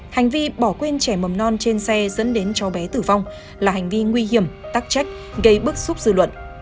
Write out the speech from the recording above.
hành vi bỏ quên trẻ mầm non trên xe dẫn đến cháu bé tử vong là hành vi nguy hiểm tắc trách gây bức xúc dư luận